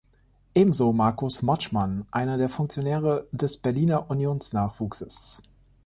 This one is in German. Ebenso Markus Motschmann, einer der Funktionäre des Berliner Unions-Nachwuchses.